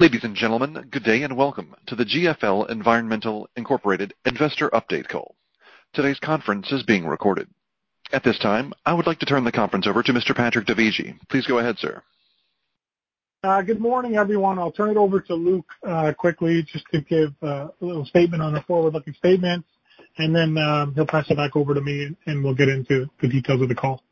Ladies and gentlemen, good day and welcome to the GFL Environmental Incorporated Investor Update Call. Today's conference is being recorded. At this time, I would like to turn the conference over to Mr. Patrick Dovigi. Please go ahead, sir. Good morning, everyone. I'll turn it over to Luke quickly just to give a little statement on the forward-looking statements. He'll pass it back over to me and we'll get into the details of the call.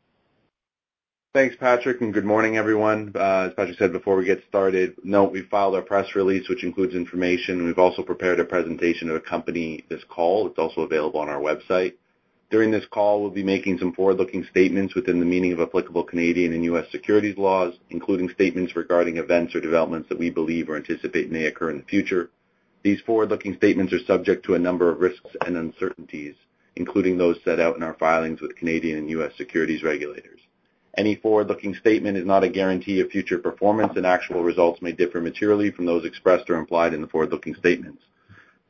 Thanks, Patrick. Good morning, everyone. As Patrick said, before we get started, note we filed our press release, which includes information, and we've also prepared a presentation to accompany this call. It's also available on our website. During this call, we'll be making some forward-looking statements within the meaning of applicable Canadian and U.S. securities laws, including statements regarding events or developments that we believe or anticipate may occur in the future. These forward-looking statements are subject to a number of risks and uncertainties, including those set out in our filings with Canadian and U.S. securities regulators. Any forward-looking statement is not a guarantee of future performance. Actual results may differ materially from those expressed or implied in the forward-looking statements.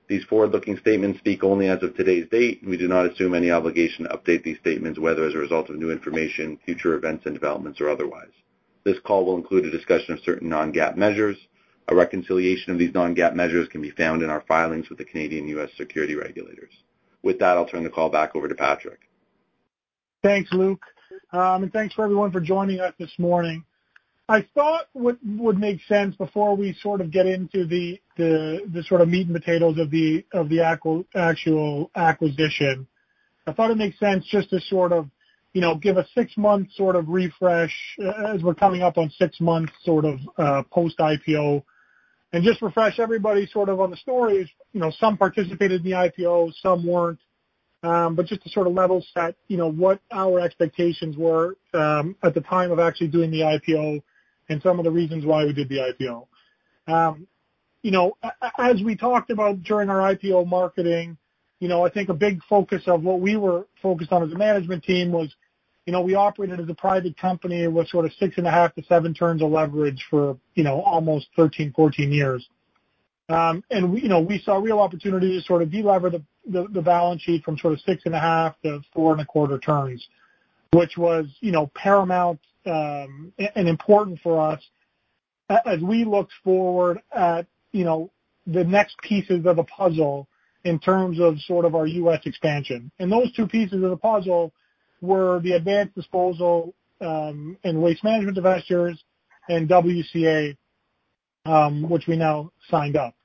These forward-looking statements speak only as of today's date. We do not assume any obligation to update these statements, whether as a result of new information, future events and developments, or otherwise. This call will include a discussion of certain non-GAAP measures. A reconciliation of these non-GAAP measures can be found in our filings with the Canadian and U.S. security regulators. With that, I'll turn the call back over to Patrick. Thanks, Luke. Thanks for everyone for joining us this morning. I thought what would make sense before we get into the meat and potatoes of the actual acquisition. I thought it'd make sense just to give a six-month refresh as we're coming up on six months post-IPO, and just refresh everybody on the stories. Some participated in the IPO, some weren't. Just to level set what our expectations were at the time of actually doing the IPO and some of the reasons why we did the IPO. We talked about during our IPO marketing, I think a big focus of what we were focused on as a management team was we operated as a private company with 6.5 to seven turns of leverage for almost 13, 14 years. We saw a real opportunity to de-lever the balance sheet 6.5-4.25 turns. Which was paramount and important for us as we looked forward at the next pieces of the puzzle in terms of our U.S. expansion. Those two pieces of the puzzle were the Advanced Disposal and Waste Management divestitures and WCA, which we now signed up.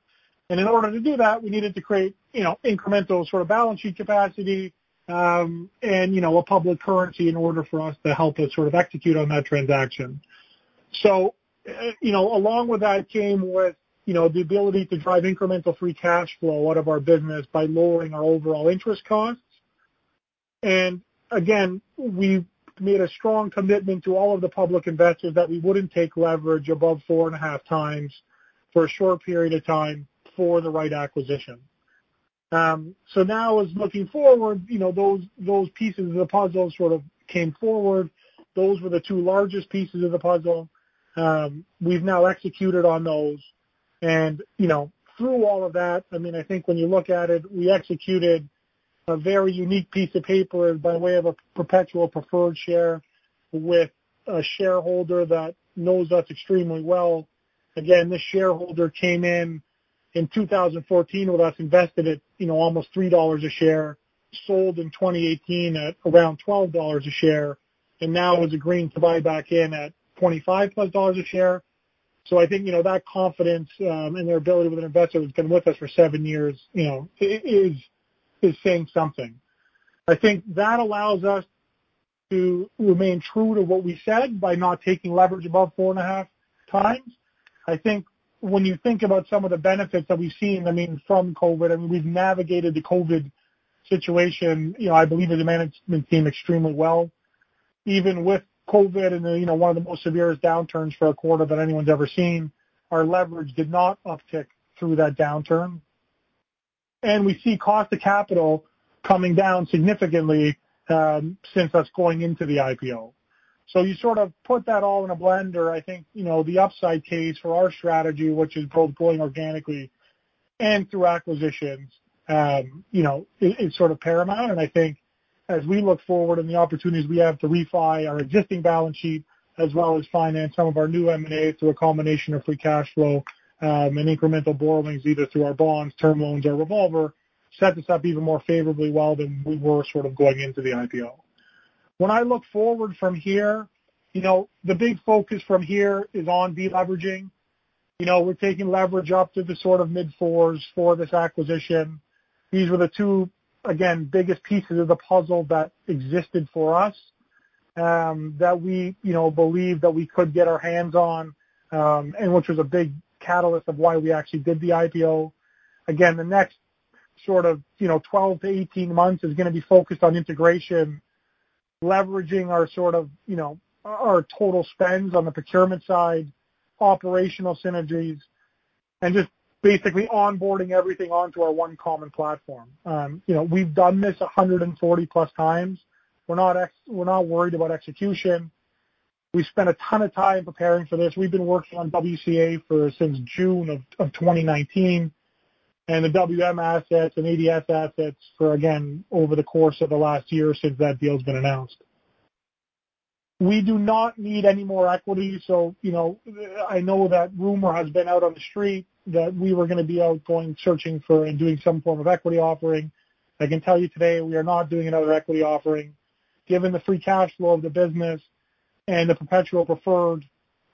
In order to do that, we needed to create incremental balance sheet capacity and a public currency in order for us to help us execute on that transaction. Along with that came with the ability to drive incremental free cash flow out of our business by lowering our overall interest costs. We made a strong commitment to all of the public investors that we wouldn't take leverage above 4.5x for a short period of time for the right acquisition. Now as looking forward, those pieces of the puzzle came forward. Those were the two largest pieces of the puzzle. We've now executed on those. Through all of that, I think when you look at it, we executed a very unique piece of paper by way of a perpetual preferred share with a shareholder that knows us extremely well. Again, this shareholder came in in 2014 with us, invested at almost 3 dollars a share, sold in 2018 at around 12 dollars a share, and now is agreeing to buy back in at 25+ dollars a share. I think that confidence and the ability with an investor who's been with us for seven years is saying something. I think that allows us to remain true to what we said by not taking leverage above 4.5x. I think when you think about some of the benefits that we've seen, from COVID, and we've navigated the COVID situation, I believe as a management team extremely well. Even with COVID and one of the most severest downturns for a quarter that anyone's ever seen, our leverage did not uptick through that downturn. We see cost of capital coming down significantly since us going into the IPO. You put that all in a blender. I think, the upside case for our strategy, which is both going organically and through acquisitions, is paramount. I think as we look forward and the opportunities we have to refi our existing balance sheet, as well as finance some of our new M&A through a combination of free cash flow and incremental borrowings, either through our bonds, term loans, or revolver, set this up even more favorably well than we were going into the IPO. When I look forward from here, the big focus from here is on de-leveraging. We're taking leverage up to the mid-4s for this acquisition. These were the two, again, biggest pieces of the puzzle that existed for us, that we believed that we could get our hands on, and which was a big catalyst of why we actually did the IPO. Again, the next 12-18 months is going to be focused on integration, leveraging our total spends on the procurement side, operational synergies, and just basically onboarding everything onto our one common platform. We've done this 140+ times. We're not worried about execution. We spent a ton of time preparing for this. We've been working on WCA since June of 2019, and the WM assets and ADS assets for, again, over the course of the last year since that deal's been announced. We do not need any more equity. I know that rumor has been out on the street that we were going to be out going searching for and doing some form of equity offering. I can tell you today, we are not doing another equity offering. Given the free cash flow of the business and the perpetual preferred,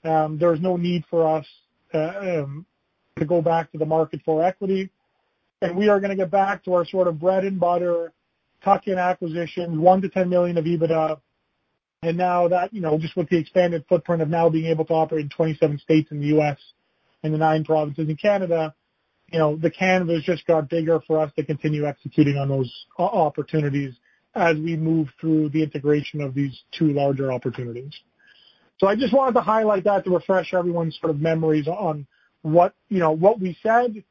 there is no need for us to go back to the market for equity. We are going to get back to our sort of bread-and-butter tuck-in acquisition, 1 million-10 million of EBITDA. Now that, just with the expanded footprint of now being able to operate in 27 states in the U.S. and the nine provinces in Canada, the canvas just got bigger for us to continue executing on those opportunities as we move through the integration of these two larger opportunities. I just wanted to highlight that to refresh everyone's memories on what we said,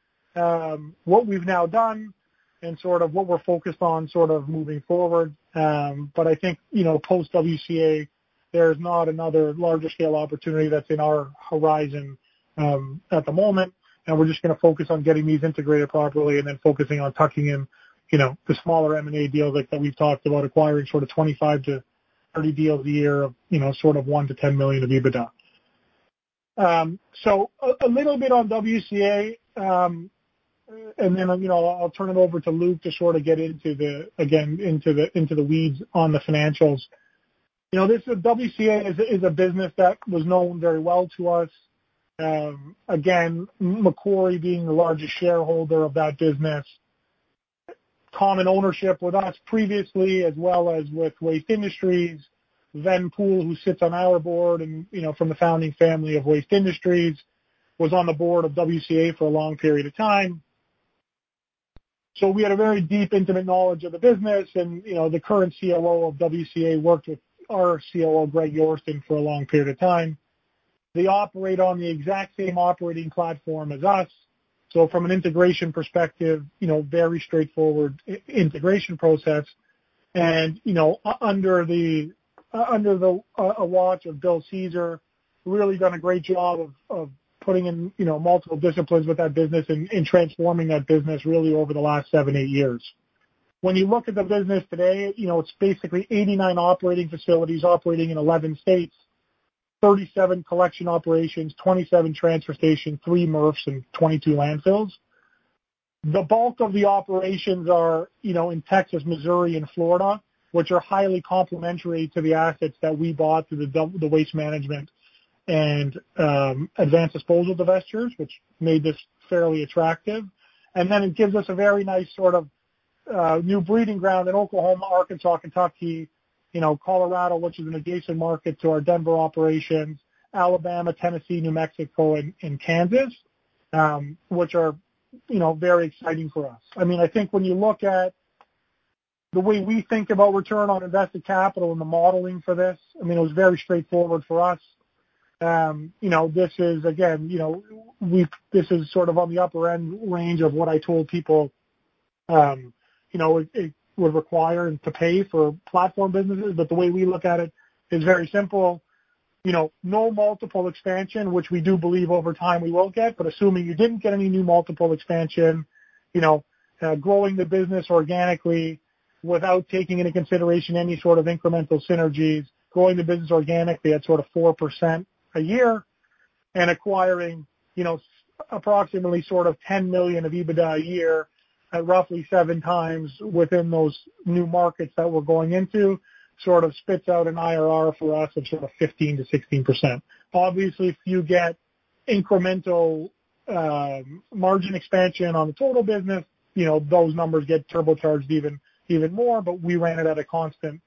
what we've now done, and what we're focused on moving forward. I think, post-WCA, there's not another larger-scale opportunity that's in our horizon at the moment. We're just going to focus on getting these integrated properly and then focusing on tucking in the smaller M&A deals that we've talked about acquiring, sort of 25-30 deals a year of 1 million-10 million of EBITDA. A little bit on WCA, and then I'll turn it over to Luke to get into the weeds on the financials. WCA is a business that was known very well to us. Again, Macquarie being the largest shareholder of that business. Common ownership with us previously, as well as with Waste Industries. Ven Poole, who sits on our board and from the founding family of Waste Industries, was on the board of WCA for a long period of time. We had a very deep, intimate knowledge of the business, and the current COO of WCA worked with our COO, Greg Yorston, for a long period of time. They operate on the exact same operating platform as us. From an integration perspective, very straightforward integration process. Under the watch of Bill Caesar, really done a great job of putting in multiple disciplines with that business and transforming that business really over the last seven, eight years. When you look at the business today, it's basically 89 operating facilities operating in 11 states, 37 collection operations, 27 transfer stations, three MRFs, and 22 landfills. The bulk of the operations are in Texas, Missouri, and Florida, which are highly complementary to the assets that we bought through the Waste Management and Advanced Disposal divestitures, which made this fairly attractive. It gives us a very nice new breeding ground in Oklahoma, Arkansas, Kentucky, Colorado, which is an adjacent market to our Denver operations, Alabama, Tennessee, New Mexico, and Kansas which are very exciting for us. I think when you look at the way we think about return on invested capital and the modeling for this, it was very straightforward for us. This is on the upper end range of what I told people it would require to pay for platform businesses. But the way we look at it is very simple. No multiple expansion, which we do believe over time we will get, but assuming you didn't get any new multiple expansion, growing the business organically without taking into consideration any sort of incremental synergies, growing the business organically at sort of 4% a year and acquiring approximately sort of 10 million of EBITDA a year at roughly 7x within those new markets that we're going into, spits out an IRR for us of sort of 15%-16%. Obviously, if you get incremental margin expansion on the total business, those numbers get turbocharged even more. We ran it at a constant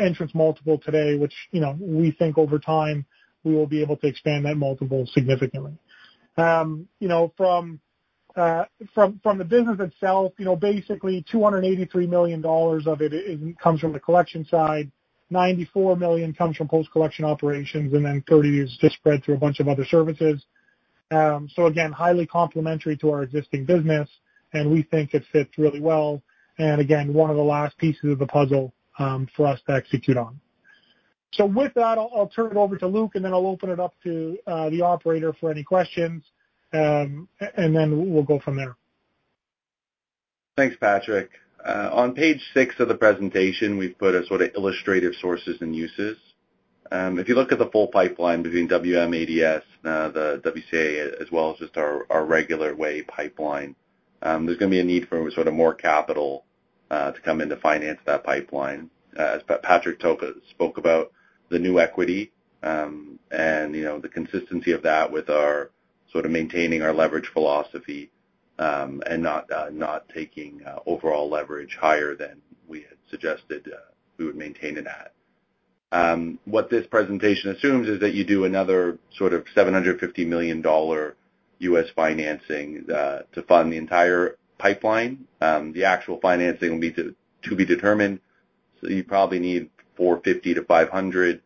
entrance multiple today, which we think over time, we will be able to expand that multiple significantly. From the business itself, basically 283 million dollars of it comes from the collection side, 94 million comes from post-collection operations, and then 30 million is just spread through a bunch of other services. Again, highly complementary to our existing business, and we think it fits really well. Again, one of the last pieces of the puzzle for us to execute on. With that, I'll turn it over to Luke, and then I'll open it up to the operator for any questions. Then we'll go from there. Thanks, Patrick. On page six of the presentation, we've put a sort of illustrative sources and uses. If you look at the full pipeline between WM ADS, the WCA, as well as just our regular M&A pipeline, there's going to be a need for more capital to come in to finance that pipeline. As Patrick spoke about the new equity, and the consistency of that with our maintaining our leverage philosophy, and not taking overall leverage higher than we had suggested we would maintain it at. What this presentation assumes is that you do another sort of $750 million financing to fund the entire pipeline. The actual financing will be to be determined. You probably need 450-500,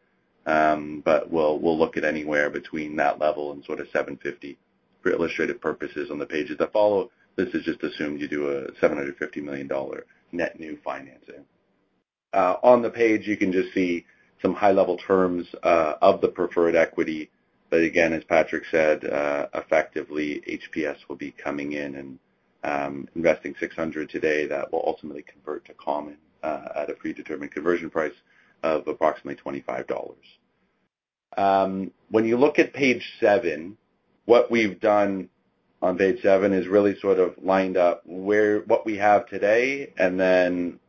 but we'll look at anywhere between that level and sort of 750 for illustrative purposes on the pages that follow. This is just assumed you do a $750 million net new financing. On the page, you can just see some high-level terms of the preferred equity. Again, as Patrick said, effectively, HPS will be coming in and investing 600 today. That will ultimately convert to common at a predetermined conversion price of approximately 25 dollars. When you look at page seven, what we've done on page seven is really lined up what we have today, and then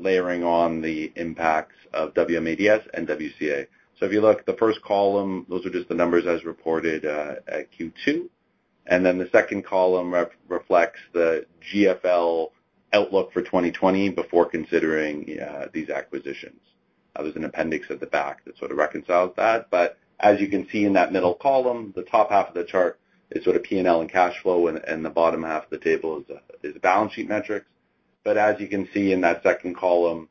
layering on the impacts of WM ADS and WCA. If you look at the first column, those are just the numbers as reported at Q2. The second column reflects the GFL outlook for 2020 before considering these acquisitions. There's an appendix at the back that sort of reconciles that. As you can see in that middle column, the top half of the chart is P&L and cash flow, and the bottom half of the table is the balance sheet metrics. As you can see in that second column,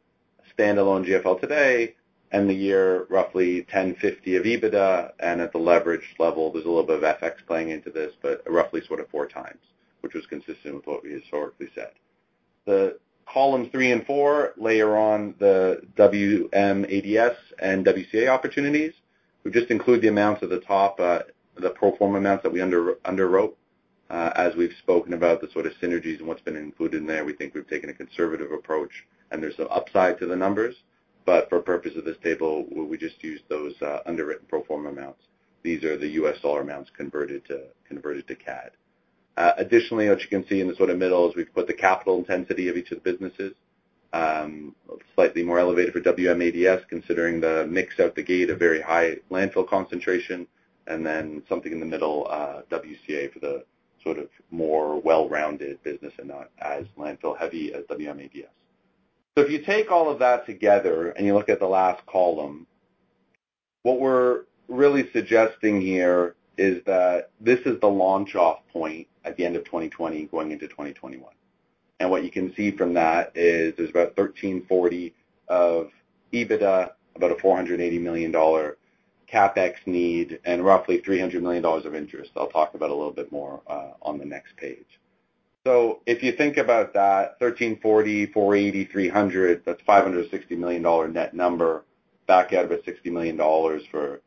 standalone GFL today and the year, roughly 1,050 of EBITDA. At the leverage level, there's a little bit of FX playing into this, but roughly 4x, which was consistent with what we historically said. Columns three and four layer on the WMADS and WCA opportunities. We've just included the amounts at the top, the pro forma amounts that we underwrote. As we've spoken about the synergies and what's been included in there, we think we've taken a conservative approach, and there's some upside to the numbers. For purpose of this table, we just used those underwritten pro forma amounts. These are the U.S. dollar amounts converted to CAD. Additionally, what you can see in the middle is we've put the capital intensity of each of the businesses. Slightly more elevated for WMADS, considering the mix out the gate, a very high landfill concentration, and then something in the middle, WCA, for the more well-rounded business and not as landfill heavy as WMADS. If you take all of that together and you look at the last column, what we're really suggesting here is that this is the launch-off point at the end of 2020 going into 2021. What you can see from that is there's about 1,340 of EBITDA, about a 480 million dollar CapEx need, and roughly 300 million dollars of interest that I'll talk about a little bit more on the next page. If you think about that, 1,340, 480, 300, that's a 560 million dollar net number, back out about 60 million dollars for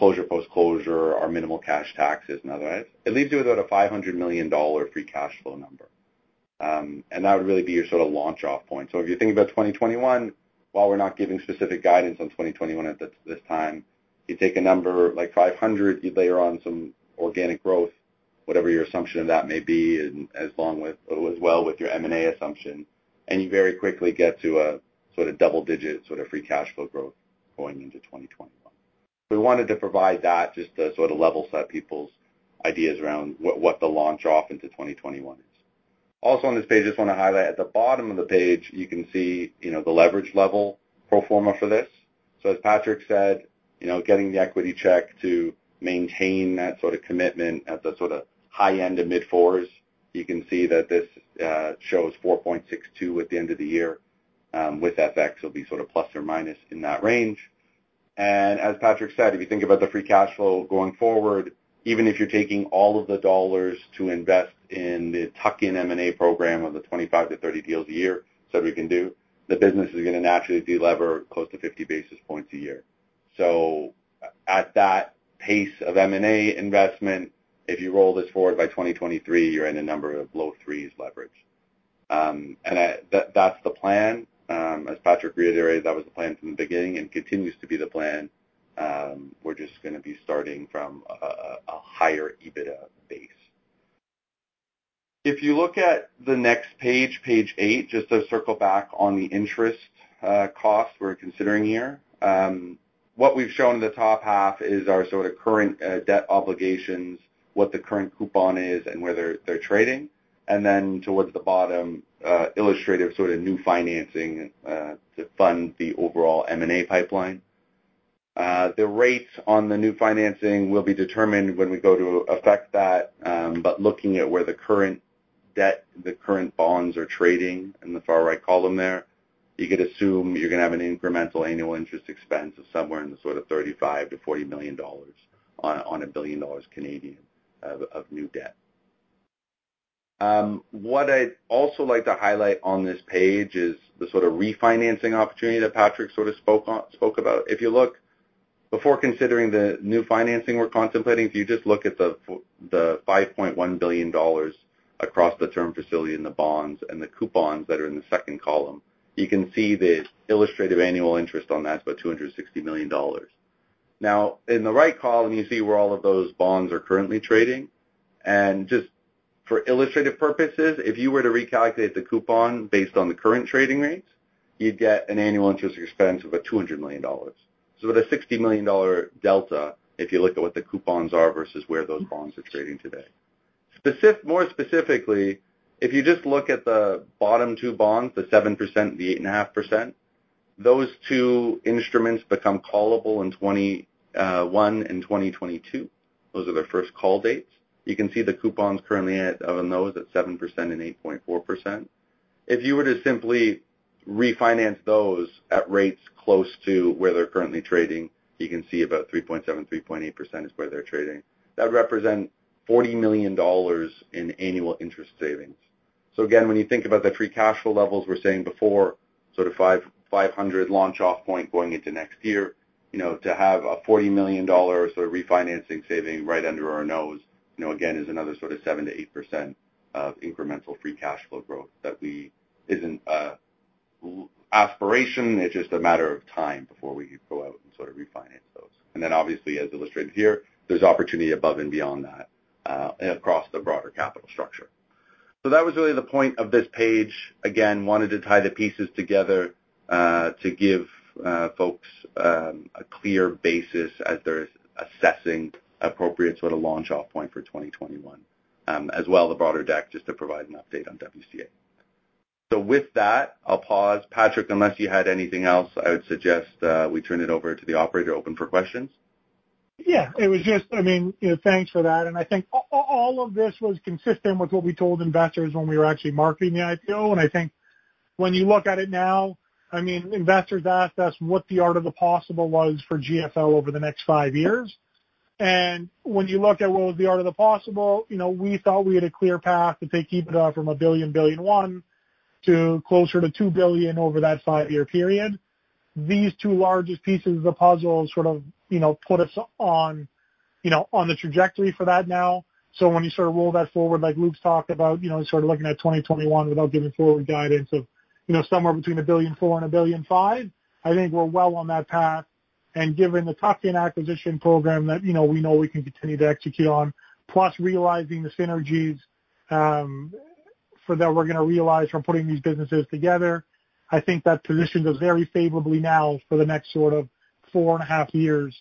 closure, post-closure, our minimal cash taxes and otherwise. It leaves you with about a 500 million dollar free cash flow number. That would really be your launch off point. If you think about 2021, while we're not giving specific guidance on 2021 at this time, you take a number like 500, you layer on some organic growth, whatever your assumption of that may be, as well with your M&A assumption, and you very quickly get to a double-digit free cash flow growth going into 2021. We wanted to provide that just to level-set people's ideas around what the launch off into 2021 is. On this page, I just want to highlight at the bottom of the page, you can see the leverage level pro forma for this. As Patrick said, getting the equity check to maintain that commitment at the high end of mid-4s. You can see that this shows 4.62 at the end of the year. With FX, it'll be plus or minus in that range. As Patrick said, if you think about the free cash flow going forward, even if you're taking all of the dollars to invest in the tuck-in M&A program of the 25-30 deals a year or so we can do, the business is going to naturally de-lever close to 50 basis points a year. At that pace of M&A investment, if you roll this forward, by 2023, you're in a number of low 3s leverage. That's the plan. As Patrick reiterated, that was the plan from the beginning and continues to be the plan. We're just going to be starting from a higher EBITDA base. If you look at the next page eight, just to circle back on the interest cost we're considering here. What we've shown in the top half is our current debt obligations, what the current coupon is, and where they're trading. Then towards the bottom, illustrative new financing to fund the overall M&A pipeline. The rates on the new financing will be determined when we go to effect that, looking at where the current debt, the current bonds are trading in the far right column there, you could assume you're going to have an incremental annual interest expense of somewhere in the 35 million-40 million dollars on 1 billion dollars of new debt. What I'd also like to highlight on this page is the refinancing opportunity that Patrick spoke about. If you look before considering the new financing we're contemplating, if you just look at the 5.1 billion dollars across the term facility and the bonds and the coupons that are in the second column, you can see the illustrative annual interest on that is about 260 million dollars. In the right column, you see where all of those bonds are currently trading. Just for illustrative purposes, if you were to recalculate the coupon based on the current trading rates, you'd get an annual interest expense of about 200 million dollars. About a 60 million dollar delta, if you look at what the coupons are versus where those bonds are trading today. More specifically, if you just look at the bottom two bonds, the 7% and the 8.5%, those two instruments become callable in 2021 and 2022. Those are their first call dates. You can see the coupons currently on those at 7% and 8.4%. If you were to simply refinance those at rates close to where they're currently trading, you can see about 3.7%, 3.8% is where they're trading. That would represent 40 million dollars in annual interest savings. Again, when you think about the free cash flow levels, we're saying before, sort of 500 launch off point going into next year. To have a 40 million dollar sort of refinancing saving right under our nose, again, is another sort of 7%-8% of incremental free cash flow growth that isn't aspiration. It's just a matter of time before we go out and sort of refinance those. Then obviously, as illustrated here, there's opportunity above and beyond that, across the broader capital structure. That was really the point of this page. Again, wanted to tie the pieces together, to give folks a clear basis as they're assessing appropriate sort of launch off point for 2021. The broader deck, just to provide an update on WCA. With that, I'll pause. Patrick, unless you had anything else, I would suggest that we turn it over to the operator, open for questions. Yeah. Thanks for that. I think all of this was consistent with what we told investors when we were actually marketing the IPO, and I think when you look at it now, investors asked us what the art of the possible was for GFL over the next five years. And when you looked at what was the art of the possible, we thought we had a clear path to take EBITDA from 1 billion, CAD 1.1 billion to closer to 2 billion over that five-year period. These two largest pieces of the puzzle sort of put us on the trajectory for that now. So when you sort of roll that forward, like Luke's talked about, sort of looking at 2021 without giving forward guidance of somewhere between 1.4 billion and 1.5 billion, I think we're well on that path. Given the tuck-in acquisition program that we know we can continue to execute on, plus realizing the synergies that we're gonna realize from putting these businesses together, I think that position does very favorably now for the next sort of 4.5 years,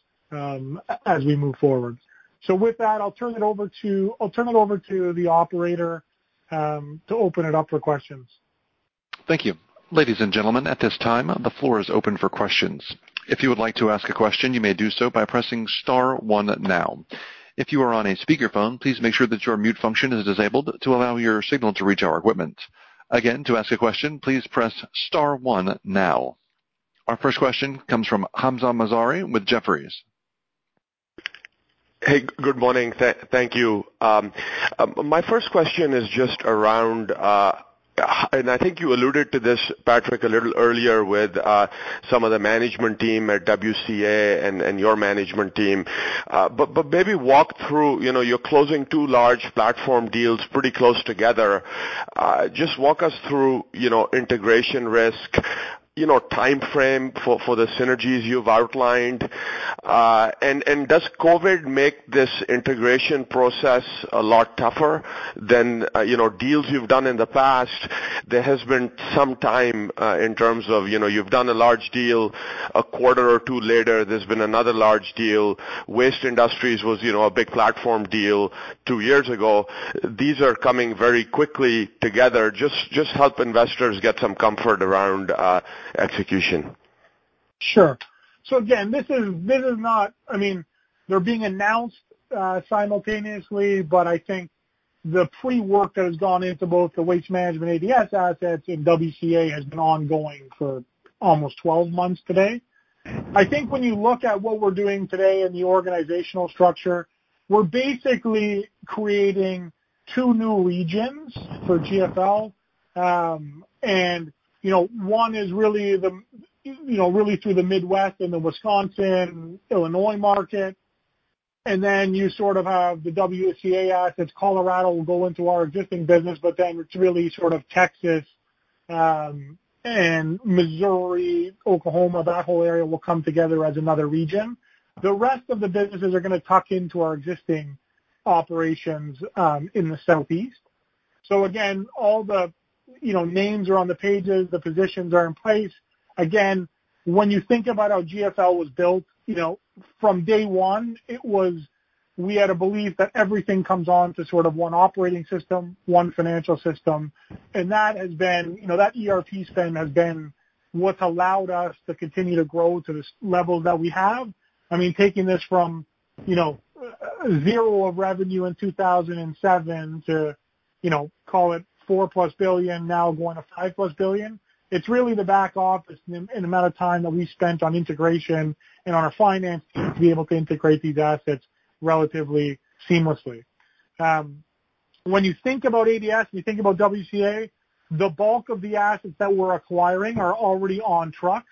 as we move forward. With that, I'll turn it over to the operator to open it up for questions. Thank you. Ladies and gentlemen, at this time, the floor is open for questions. If you would like to ask a question, you may do so by pressing star one now. If you are on speakerphone, please make sure that your mute functions is disabled to allow your signal to reach your equipment. Again, to ask a question, please press star one now. Our first question comes from Hamzah Mazari with Jefferies. Hey, good morning. Thank you. My first question is just around and I think you alluded to this, Patrick, a little earlier with some of the management team at WCA and your management team. Maybe walk through, you're closing two large platform deals pretty close together. Just walk us through integration risk, timeframe for the synergies you've outlined. Does COVID make this integration process a lot tougher than deals you've done in the past? There has been some time, in terms of, you've done a large deal, a quarter or two later, there's been another large deal. Waste Industries was a big platform deal two years ago. These are coming very quickly together. Just help investors get some comfort around execution. Sure. Again, they're being announced simultaneously, but I think the pre-work that has gone into both the WM ADS assets and WCA has been ongoing for almost 12 months today. I think when you look at what we're doing today in the organizational structure, we're basically creating two new regions for GFL. One is really through the Midwest and the Wisconsin, Illinois market, then you sort of have the WCA assets. Colorado will go into our existing business, it's really sort of Texas, Missouri, Oklahoma, that whole area will come together as another region. The rest of the businesses are gonna tuck into our existing operations in the Southeast. Again, all the names are on the pages, the positions are in place. Again, when you think about how GFL was built, from day one, we had a belief that everything comes on to sort of one operating system, one financial system, and that ERP spend has been what's allowed us to continue to grow to this level that we have. Taking this from zero of revenue in 2007 to call it 4+ billion, now going to 5+ billion, it's really the back office and the amount of time that we spent on integration and our finance team to be able to integrate these assets relatively seamlessly. When you think about ADS and you think about WCA, the bulk of the assets that we're acquiring are already on TRUX.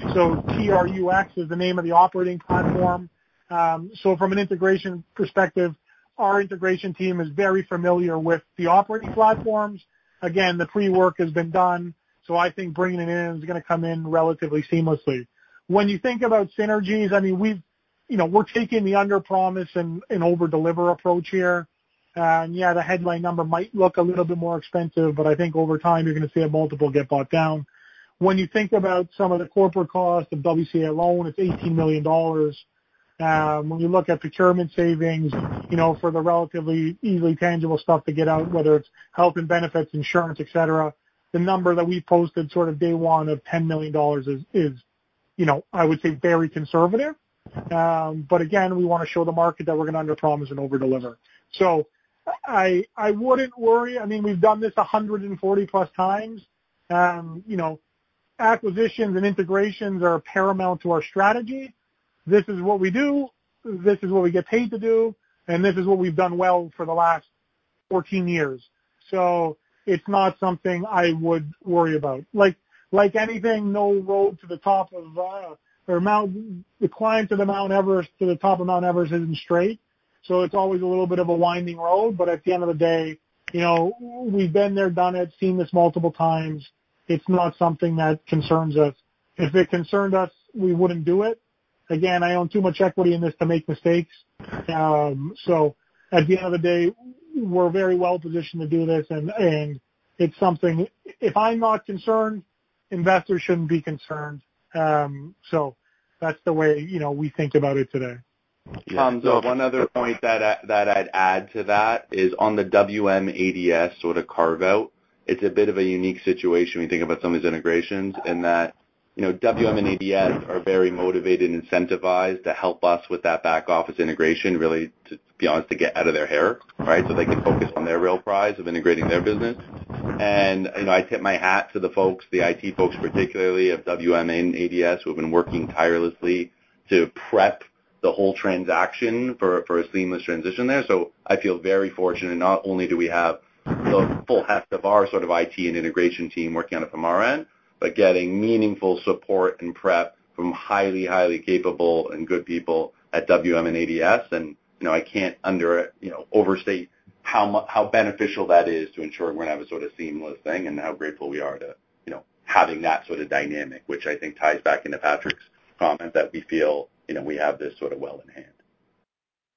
TRUX is the name of the operating platform. From an integration perspective, our integration team is very familiar with the operating platforms. Again, the pre-work has been done, so I think bringing it in is gonna come in relatively seamlessly. When you think about synergies, we're taking the underpromise and overdeliver approach here. Yeah, the headline number might look a little bit more expensive, but I think over time you're gonna see a multiple get bought down. When you think about some of the corporate costs of WCA alone, it's 18 million dollars. When you look at procurement savings, for the relatively easily tangible stuff to get out, whether it's health and benefits, insurance, et cetera, the number that we posted sort of day one of 10 million dollars is, I would say very conservative. Again, we want to show the market that we're gonna underpromise and overdeliver. I wouldn't worry. We've done this 140+ times. Acquisitions and integrations are paramount to our strategy. This is what we do, this is what we get paid to do, and this is what we've done well for the last 14 years. It's not something I would worry about. Like anything, the climb to the Mount Everest, to the top of Mount Everest isn't straight, so it's always a little bit of a winding road. At the end of the day, we've been there, done it, seen this multiple times. It's not something that concerns us. If it concerned us, we wouldn't do it. Again, I own too much equity in this to make mistakes. At the end of the day, we're very well positioned to do this, and it's something If I'm not concerned, investors shouldn't be concerned. That's the way we think about it today. Hamzah, one other point that I'd add to that is on the WM ADS sort of carve-out. It's a bit of a unique situation when you think about some of these integrations in that WM and ADS are very motivated and incentivized to help us with that back office integration, really, to be honest, to get out of their hair, right? They can focus on their real prize of integrating their business. I tip my hat to the folks, the IT folks particularly of WM and ADS, who have been working tirelessly to prep the whole transaction for a seamless transition there. I feel very fortunate. Not only do we have the full heft of our sort of IT and integration team working on it from our end, but getting meaningful support and prep from highly capable and good people at WM and ADS. I can't overstate how beneficial that is to ensure we're going to have a sort of seamless thing and how grateful we are to having that sort of dynamic, which I think ties back into Patrick's comment that we feel we have this sort of well in hand.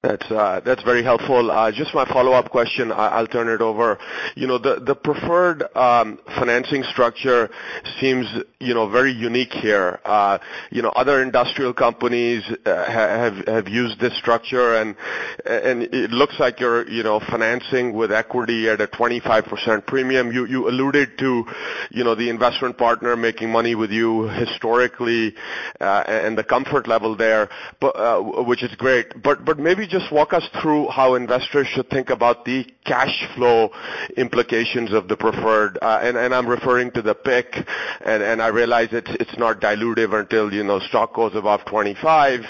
That's very helpful. Just my follow-up question, I'll turn it over. The preferred financing structure seems very unique here. Other industrial companies have used this structure, and it looks like you're financing with equity at a 25% premium. You alluded to the investment partner making money with you historically, and the comfort level there, which is great. Maybe just walk us through how investors should think about the cash flow implications of the preferred. I'm referring to the PIK, I realize it's not dilutive until stock goes above 25.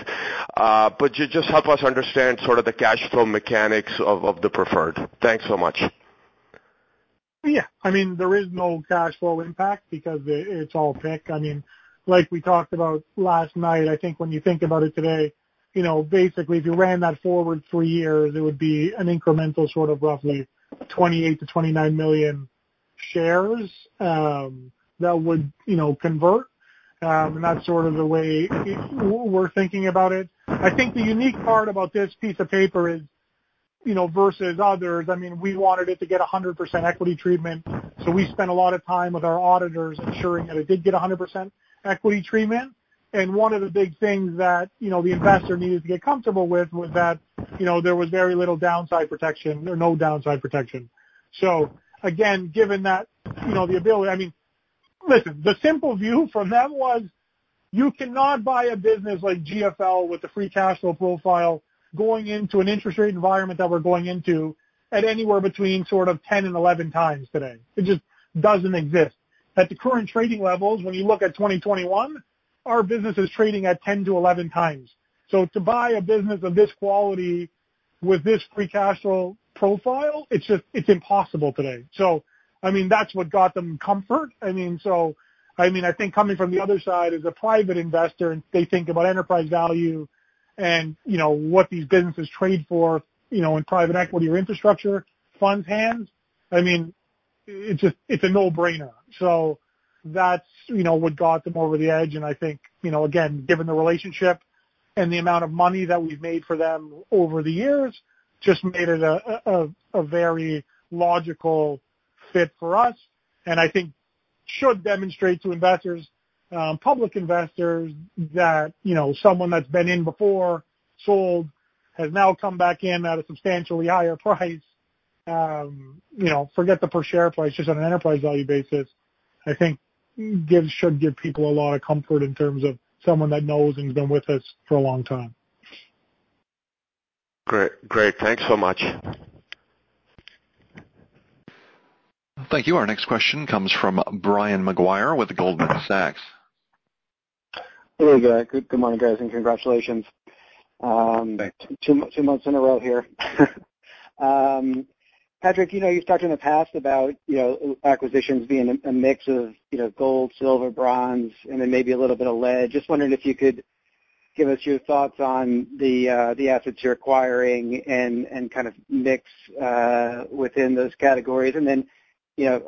Just help us understand sort of the cash flow mechanics of the preferred. Thanks so much. There is no cash flow impact because it's all PIK. Like we talked about last night, I think when you think about it today, basically, if you ran that forward for year, it would be an incremental sort of roughly 28 million-29 million shares that would convert. That's sort of the way we're thinking about it. I think the unique part about this piece of paper is versus others, we wanted it to get 100% equity treatment. We spent a lot of time with our auditors ensuring that it did get 100% equity treatment. One of the big things that the investor needed to get comfortable with was that there was very little downside protection or no downside protection. Again, listen, the simple view from them was you cannot buy a business like GFL with a free cash flow profile going into an interest rate environment that we're going into at anywhere between sort of 10 and 11 times today. It just doesn't exist. At the current trading levels, when you look at 2021, our business is trading at 10-11 times. To buy a business of this quality with this free cash flow profile, it's impossible today. That's what got them comfort. I think coming from the other side as a private investor, and they think about enterprise value and what these businesses trade for in private equity or infrastructure funds' hands. It's a no-brainer. That's what got them over the edge. I think, again, given the relationship and the amount of money that we've made for them over the years just made it a very logical fit for us. I think should demonstrate to investors, public investors, that someone that's been in before, sold, has now come back in at a substantially higher price. Forget the per share price, just on an enterprise value basis. I think should give people a lot of comfort in terms of someone that knows and has been with us for a long time. Great. Thanks so much. Thank you. Our next question comes from Brian Maguire with Goldman Sachs. Really good. Good morning, guys, and congratulations. Thanks. Two months in a row here. Patrick, you've talked in the past about acquisitions being a mix of gold, silver, bronze, and then maybe a little bit of lead. Just wondering if you could give us your thoughts on the assets you're acquiring and kind of mix within those categories? Then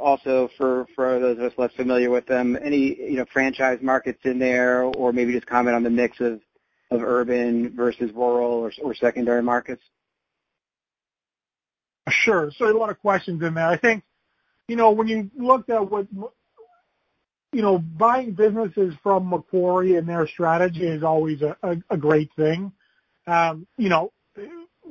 also for those of us less familiar with them, any franchise markets in there, or maybe just comment on the mix of urban versus rural or secondary markets? Sure. A lot of questions in there. I think when you looked at buying businesses from Macquarie, their strategy is always a great thing.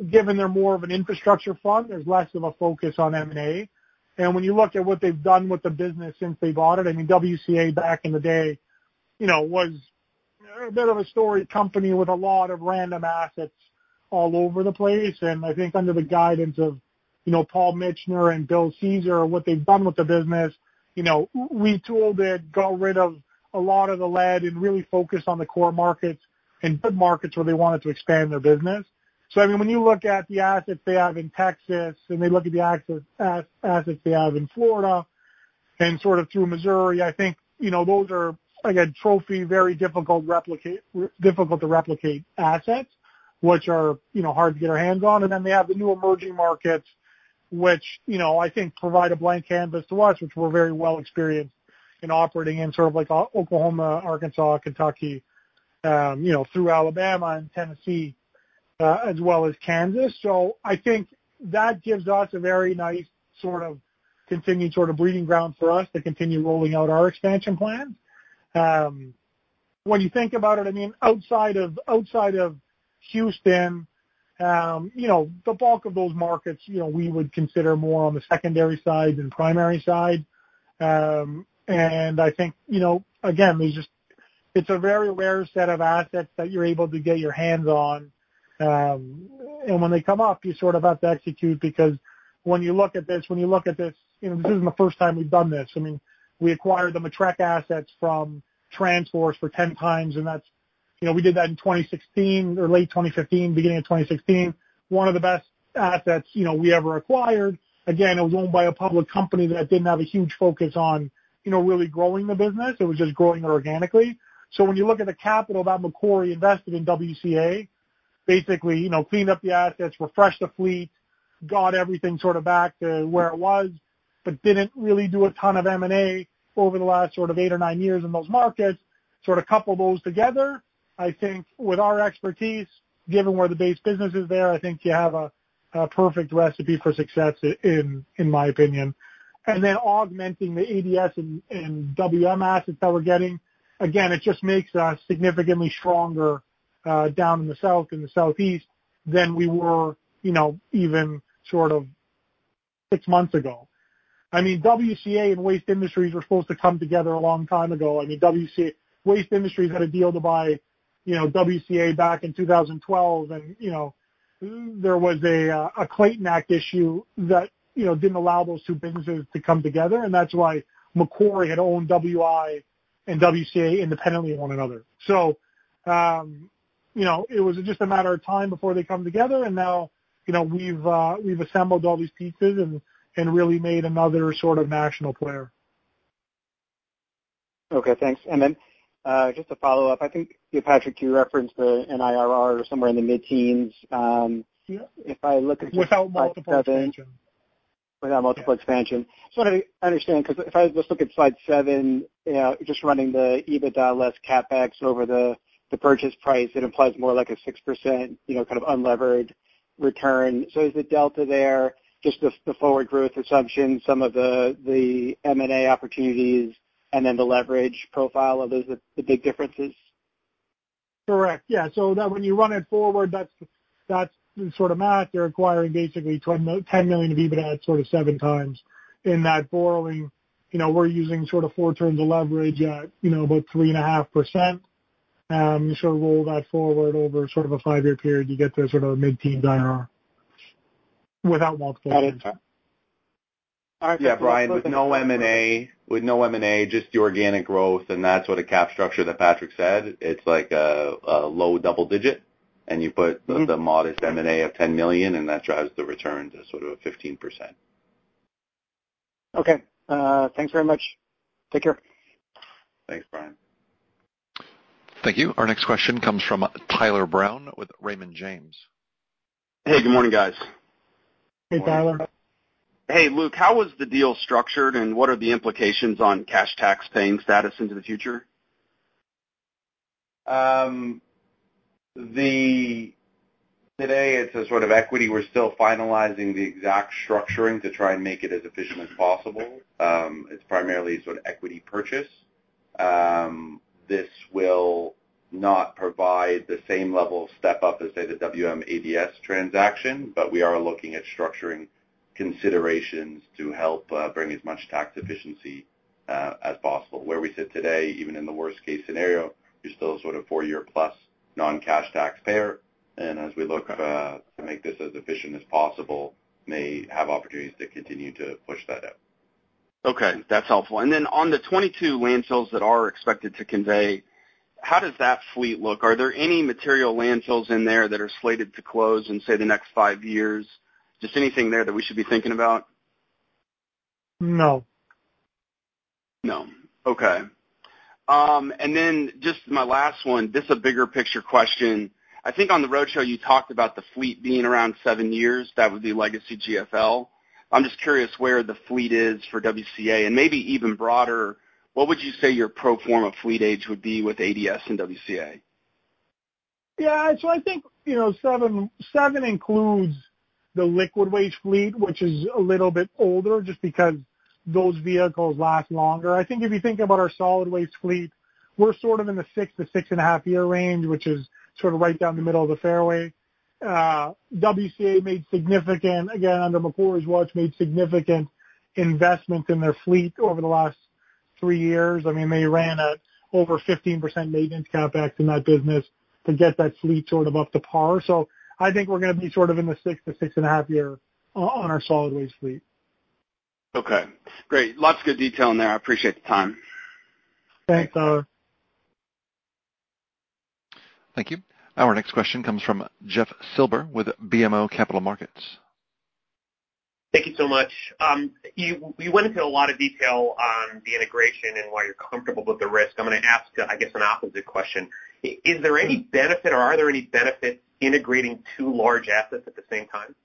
Given they're more of an infrastructure fund, there's less of a focus on M&A. When you look at what they've done with the business since they bought it, WCA back in the day was a bit of a story company with a lot of random assets all over the place. I think under the guidance of Paul Mitchener and Bill Caesar and what they've done with the business. We tooled it, got rid of a lot of the lead, and really focused on the core markets and good markets where they wanted to expand their business. I mean, when you look at the assets they have in Texas, and they look at the assets they have in Florida and through Missouri, I think those are, again, trophy, very difficult to replicate assets, which are hard to get our hands on. Then they have the new emerging markets, which I think provide a blank canvas to us, which we're very well experienced in operating in like Oklahoma, Arkansas, Kentucky, through Alabama and Tennessee, as well as Kansas. I think that gives us a very nice continued breeding ground for us to continue rolling out our expansion plans. When you think about it, outside of Houston, the bulk of those markets, we would consider more on the secondary side than primary side. I think, again, it's a very rare set of assets that you're able to get your hands on. When they come up, you have to execute, because when you look at this isn't the first time we've done this. I mean, we acquired the Matrec assets from TransForce for 10x, and we did that in 2016 or late 2015, beginning of 2016. One of the best assets we ever acquired. Again, it was owned by a public company that didn't have a huge focus on really growing the business. It was just growing organically. When you look at the capital that Macquarie invested in WCA, basically cleaned up the assets, refreshed the fleet, got everything back to where it was, but didn't really do a ton of M&A over the last eight or nine years in those markets. Couple those together, I think with our expertise, given where the base business is there, I think you have a perfect recipe for success, in my opinion. Augmenting the ADS and WM assets that we're getting, again, it just makes us significantly stronger down in the South and the Southeast than we were even six months ago. I mean, WCA and Waste Industries were supposed to come together a long time ago. I mean, Waste Industries had a deal to buy WCA back in 2012. There was a Clayton Act issue that didn't allow those two businesses to come together. That's why Macquarie had owned WI and WCA independently of one another. It was just a matter of time before they come together. Now we've assembled all these pieces and really made another national player. Okay, thanks. Just to follow up, I think, Patrick, you referenced an IRR somewhere in the mid-teens. Without multiple expansion. without multiple expansion. Just wanted to understand, because if I just look at slide seven, just running the EBITDA less CapEx over the purchase price, it implies more like a 6% kind of unlevered return. Is the delta there just the forward growth assumption, some of the M&A opportunities, and then the leverage profile? Are those the big differences? Correct. Yeah. When you run it forward, that's the sort of math. You're acquiring basically 10 million of EBITDA at sort of 7x. In that borrowing, we're using four turns of leverage at about 3.5%. You roll that forward over a five-year period, you get to sort of a mid-teen IRR without multiple. Got it. Yeah, Brian, with no M&A, just the organic growth, and that sort of cap structure that Patrick said, it's like a low double digit. You put the modest M&A of 10 million, and that drives the return to a 15%. Okay. Thanks very much. Take care. Thanks, Brian. Thank you. Our next question comes from Tyler Brown with Raymond James. Hey, good morning, guys. Hey, Tyler. Hey, Luke, how was the deal structured, and what are the implications on cash tax paying status into the future? Today, it's a sort of equity. We're still finalizing the exact structuring to try and make it as efficient as possible. It's primarily a sort of equity purchase. This will not provide the same level of step-up as, say, the WM ADS transaction, but we are looking at structuring considerations to help bring as much tax efficiency as possible. Where we sit today, even in the worst case scenario, you're still a four-year plus non-cash taxpayer. As we look to make this as efficient as possible, may have opportunities to continue to push that out. Okay. That's helpful. On the 22 landfills that are expected to convey, how does that fleet look? Are there any material landfills in there that are slated to close in, say, the next five years? Just anything there that we should be thinking about? No. No. Okay. Just my last one, this is a bigger picture question. I think on the roadshow you talked about the fleet being around seven years. That would be legacy GFL. I'm just curious where the fleet is for WCA, and maybe even broader, what would you say your pro forma fleet age would be with ADS and WCA? I think seven includes the liquid waste fleet, which is a little bit older just because those vehicles last longer. I think if you think about our solid waste fleet, we're sort of in the six to 6.5 year range, which is right down the middle of the fairway. WCA, again, under Macquarie's watch, made significant investment in their fleet over the last three years. They ran at over 15% maintenance CapEx in that business to get that fleet sort of up to par. I think we're going to be sort of in the six to 6.5 year on our solid waste fleet. Okay, great. Lots of good detail in there. I appreciate the time. Thanks, Tyler. Thank you. Our next question comes from Jeff Silber with BMO Capital Markets. Thank you so much. You went into a lot of detail on the integration and why you're comfortable with the risk. I'm going to ask, I guess, an opposite question. Is there any benefit, or are there any benefits, integrating two large assets at the same time?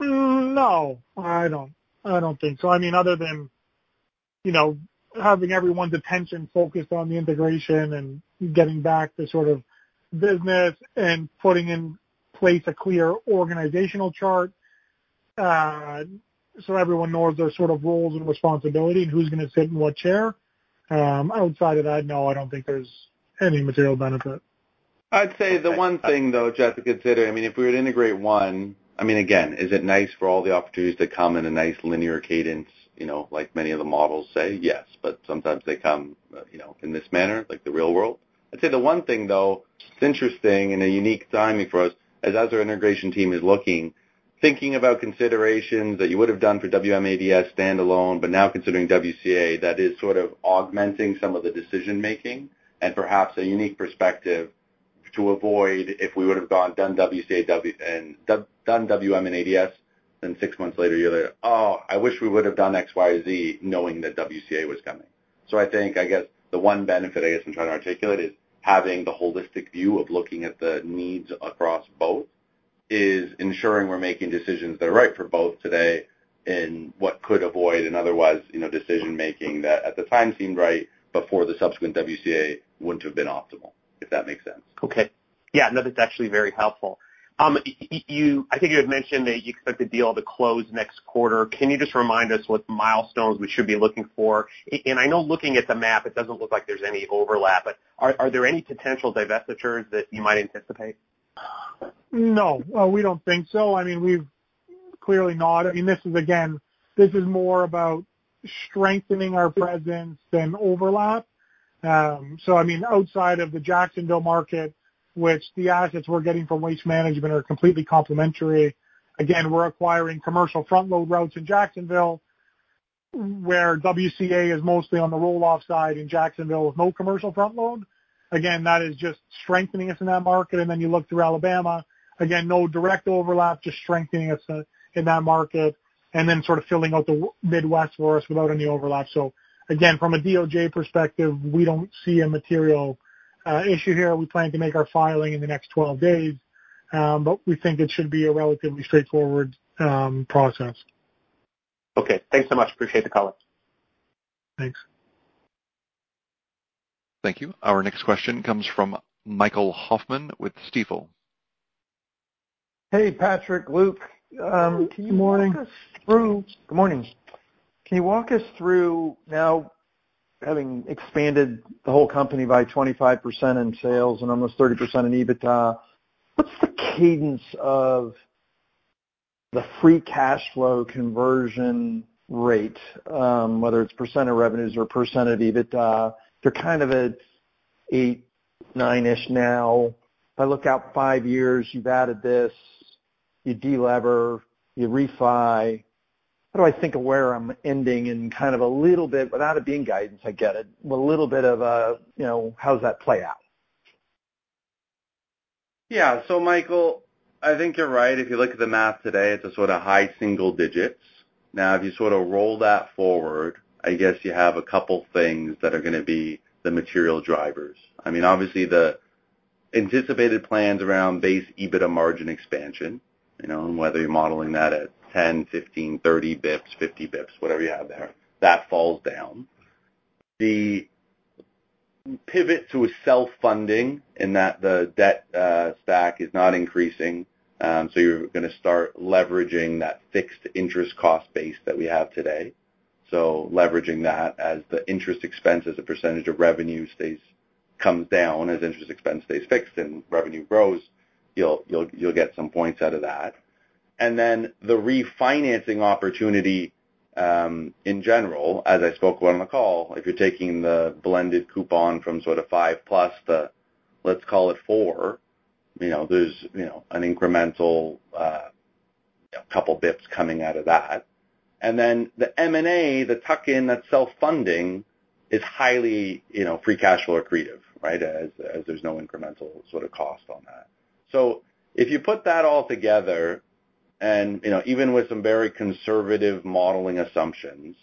No, I don't think so. Other than having everyone's attention focused on the integration and getting back to sort of business and putting in place a clear organizational chart, so everyone knows their sort of roles and responsibility and who's going to sit in what chair. Outside of that, no, I don't think there's any material benefit. I'd say the one thing, though, Jeff, to consider, if we were to integrate one, again, is it nice for all the opportunities to come in a nice linear cadence, like many of the models say? Yes. Sometimes they come in this manner, like the real world. I'd say the one thing, though, it's interesting and a unique timing for us, as our integration team is looking, thinking about considerations that you would have done for WM ADS standalone, but now considering WCA, that is sort of augmenting some of the decision-making and perhaps a unique perspective to avoid if we would have done WM and ADS, then six months later, you're like, "Oh, I wish we would have done XYZ knowing that WCA was coming." I think, the one benefit I guess I'm trying to articulate is having the holistic view of looking at the needs across both is ensuring we're making decisions that are right for both today and what could avoid an otherwise decision-making that at the time seemed right, but for the subsequent WCA wouldn't have been optimal, if that makes sense. Okay. Yeah, no, that's actually very helpful. I think you had mentioned that you expect the deal to close next quarter. Can you just remind us what milestones we should be looking for? I know looking at the map, it doesn't look like there's any overlap, but are there any potential divestitures that you might anticipate? No, we don't think so. We've clearly, this is more about strengthening our presence than overlap. Outside of the Jacksonville market, which the assets we're getting from Waste Management are completely complementary. Again, we're acquiring commercial front-load routes in Jacksonville, where WCA is mostly on the roll-off side in Jacksonville with no commercial front-load. Again, that is just strengthening us in that market. You look through Alabama, again, no direct overlap, just strengthening us in that market, and then sort of filling out the Midwest for us without any overlap. Again, from a DOJ perspective, we don't see a material issue here. We plan to make our filing in the next 12 days, but we think it should be a relatively straightforward process. Okay. Thanks so much. Appreciate the color. Thanks. Thank you. Our next question comes from Michael Hoffman with Stifel. Hey, Patrick, Luke. Good morning. Good morning. Can you walk us through now having expanded the whole company by 25% in sales and almost 30% in EBITDA, what's the cadence of the free cash flow conversion rate, whether it's percent of revenues or percent of EBITDA? You're kind of at eight, nine-ish now. If I look out five years, you've added this, you de-lever, you refi. How do I think of where I'm ending in kind of a little bit, without it being guidance, I get it, but a little bit of how does that play out? Michael, I think you're right. If you look at the math today, it's a sort of high single digits. If you sort of roll that forward, I guess you have a couple things that are going to be the material drivers. Obviously, the anticipated plans around base EBITDA margin expansion, and whether you're modeling that at 10, 15, 30 basis points, 50 basis points, whatever you have there, that falls down. The pivot to a self-funding in that the debt stack is not increasing, you're going to start leveraging that fixed interest cost base that we have today. Leveraging that as the interest expense as a percentage of revenue comes down, as interest expense stays fixed and revenue grows, you'll get some points out of that. The refinancing opportunity, in general, as I spoke on the call, if you're taking the blended coupon from sort of 5+ to, let's call it 4, there's an incremental couple basis points coming out of that. The M&A, the tuck-in that's self-funding, is highly free cash flow accretive, right? As there's no incremental sort of cost on that. If you put that all together, and even with some very conservative modeling assumptions,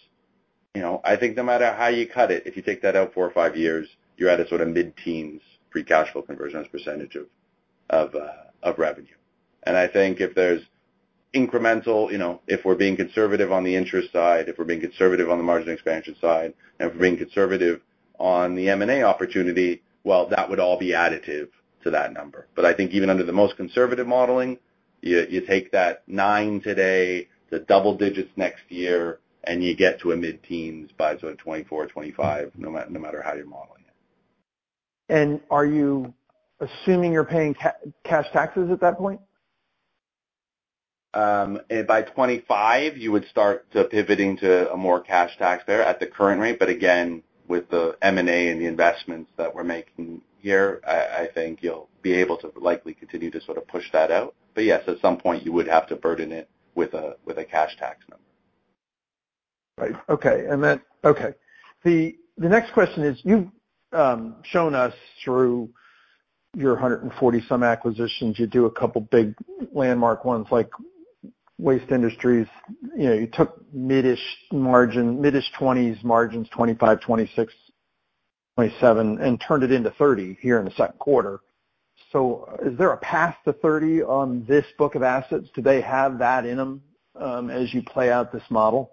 I think no matter how you cut it, if you take that out four or five years, you're at a sort of mid-teens free cash flow conversion as percentage of revenue. I think if there's incremental, if we're being conservative on the interest side, if we're being conservative on the margin expansion side, and if we're being conservative on the M&A opportunity, well, that would all be additive to that number. I think even under the most conservative modeling, you take that nine today, the double digits next year, and you get to a mid-teens by sort of 2024, 2025, no matter how you're modeling it. Are you assuming you're paying cash taxes at that point? By 2025, you would start pivoting to a more cash tax there at the current rate. Again, with the M&A and the investments that we're making here, I think you'll be able to likely continue to sort of push that out. Yes, at some point you would have to burden it with a cash tax number. Right. Okay. The next question is, you've shown us through your 140 some acquisitions. You do a couple big landmark ones like Waste Industries. You took mid-ish 20s margins, 25, 26, 27, and turned it into 30 here in the second quarter. Is there a path to 30 on this book of assets? Do they have that in them as you play out this model?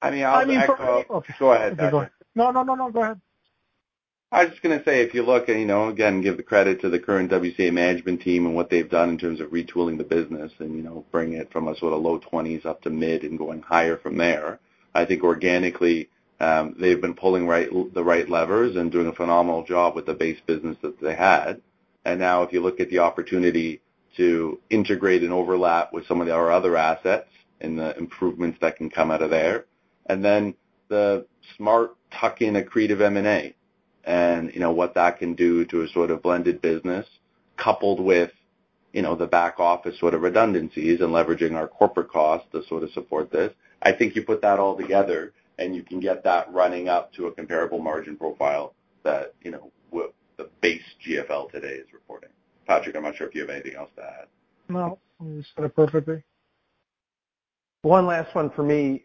I mean, I'll echo. I mean, Okay. Go ahead, Patrick. No, go ahead. I was just going to say, if you look and, again, give the credit to the current WCA management team and what they've done in terms of retooling the business and bringing it from a sort of low 20s up to mid and going higher from there. I think organically, they've been pulling the right levers and doing a phenomenal job with the base business that they had. Now if you look at the opportunity to integrate and overlap with some of our other assets and the improvements that can come out of there. Then the smart tuck-in accretive M&A and what that can do to a sort of blended business coupled with the back office sort of redundancies and leveraging our corporate costs to sort of support this. I think you put that all together, and you can get that running up to a comparable margin profile that the base GFL today is reporting. Patrick, I am not sure if you have anything else to add. No, you said it perfectly. One last one for me.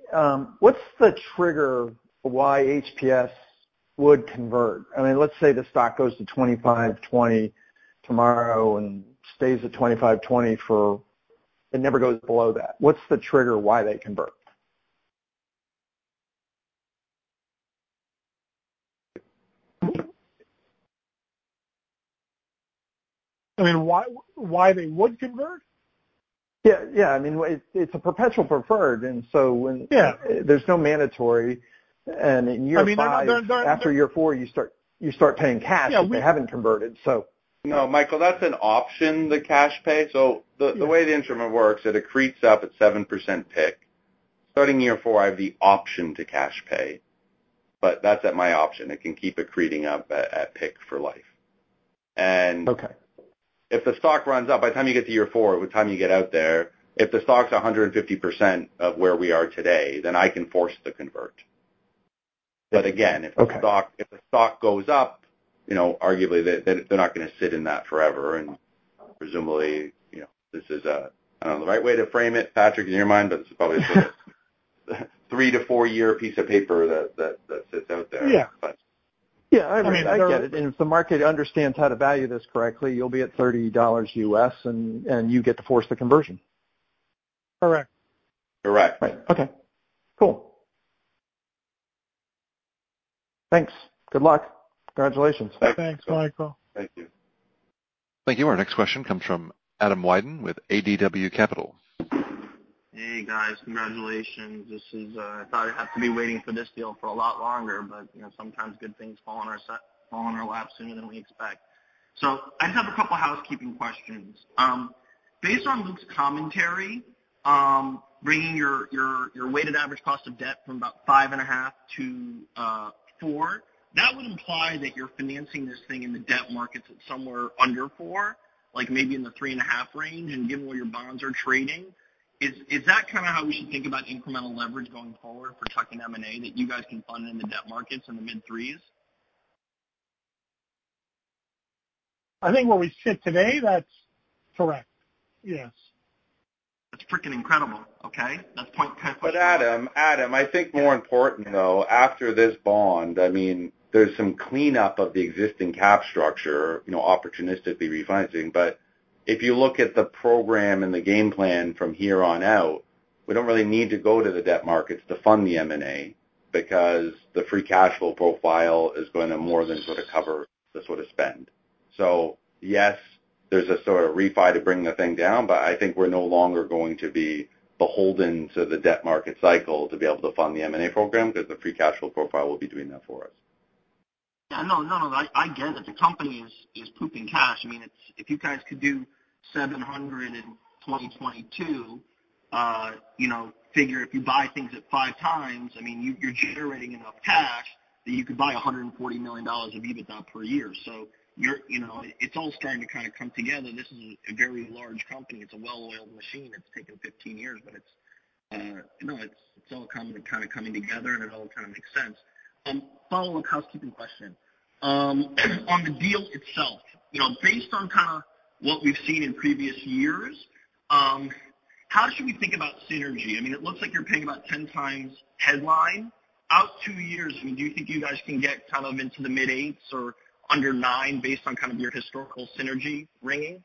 What's the trigger why HPS would convert? I mean, let's say the stock goes to 25.20 tomorrow and stays at 2,520. It never goes below that. What's the trigger why they convert? I mean, why they would convert? Yeah. I mean, it's a perpetual preferred. Yeah. There's no mandatory, and in year five, after year four, you start paying cash if you haven't converted. No, Michael, that's an option, the cash pay. The way the instrument works, it accretes up at 7% PIK. Starting year four, I have the option to cash pay, but that's at my option. It can keep accreting up at PIK for life. Okay. if the stock runs up, by the time you get to year four, by the time you get out there, if the stock's 150% of where we are today, then I can force the convert. Again, if the stock goes up, arguably, they're not going to sit in that forever, and presumably, this is a, I don't know the right way to frame it, Patrick, in your mind, but this is probably a three to four-year piece of paper that sits out there. Yeah. But. Yeah. I mean, I get it. If the market understands how to value this correctly, you'll be at $30 and you get to force the conversion. Correct. Correct. Right. Okay. Cool. Thanks. Good luck. Congratulations. Thanks, Michael. Thank you. Thank you. Our next question comes from Adam Wyden with ADW Capital. Hey, guys. Congratulations. I thought I'd have to be waiting for this deal for a lot longer, but sometimes good things fall in our lap sooner than we expect. I just have a couple housekeeping questions. Based on Luke's commentary, bringing your weighted average cost of debt from about 5.5 to four, that would imply that you're financing this thing in the debt markets at somewhere under four, like maybe in the 3.5 range, and given where your bonds are trading. Is that kind of how we should think about incremental leverage going forward for tuck-in M&A that you guys can fund in the debt markets in the mid threes? I think where we sit today, that is correct. Yes. That's freaking incredible. Okay. Adam, I think more important, though, after this bond, I mean, there's some cleanup of the existing cap structure, opportunistically refinancing. If you look at the program and the game plan from here on out, we don't really need to go to the debt markets to fund the M&A because the free cash flow profile is going to more than sort of cover the sort of spend. Yes, there's a sort of refi to bring the thing down, but I think we're no longer going to be beholden to the debt market cycle to be able to fund the M&A program because the free cash flow profile will be doing that for us. No, I get it. The company is pooping cash. I mean, if you guys could do 700 in 2022, figure if you buy things at 5x, I mean, you're generating enough cash that you could buy 140 million dollars of EBITDA per year. It's all starting to kind of come together. This is a very large company. It's a well-oiled machine. It's taken 15 years, but it's all kind of coming together, and it all kind of makes sense. Follow-up housekeeping question. On the deal itself, based on what we've seen in previous years, how should we think about synergy? I mean, it looks like you're paying about 10x headline. Out two years, do you think you guys can get kind of into the mid-8s or under nine based on your historical synergy rating?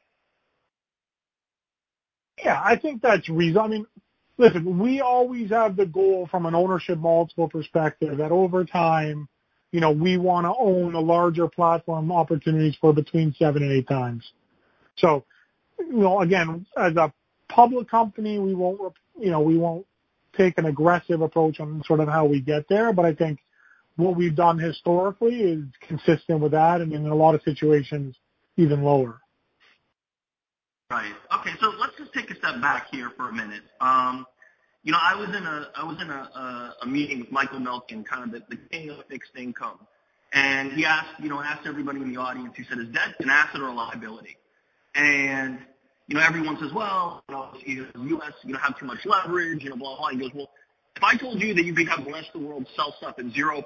Yeah, I think that's reasonable. I mean, listen, we always have the goal from an ownership multiple perspective that over time, we want to own the larger platform opportunities for between seven and eight times. Again, as a public company, we won't take an aggressive approach on how we get there. I think what we've done historically is consistent with that, and in a lot of situations, even lower. Right. Okay. Let's just take a step back here for a minute. I was in a meeting with Michael Milken, the king of fixed income, and he asked everybody in the audience, he said, "Is debt an asset or a liability?" Everyone says, "Well, the U.S. have too much leverage, blah." He goes, "Well, if I told you that you could have the rest of the world sell stuff at 0%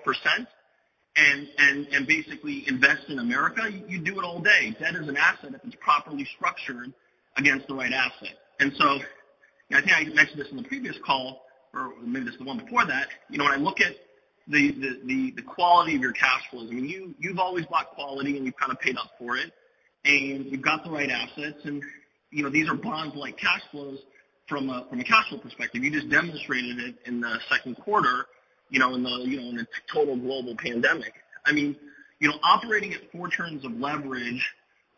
and basically invest in America, you'd do it all day." Debt is an asset if it's properly structured against the right asset. I think I mentioned this in the previous call, or maybe it's the one before that. When I look at the quality of your cash flows. You've always bought quality, and you've paid up for it, and you've got the right assets, and these are bonds-like cash flows from a cash flow perspective. You just demonstrated it in the second quarter in a total global pandemic. Operating at four turns of leverage